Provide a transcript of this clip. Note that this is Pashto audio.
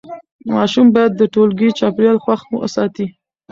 ماشوم باید د ټولګي چاپېریال خوښ وساتي.